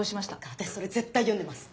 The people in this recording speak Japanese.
私それ絶対読んでます。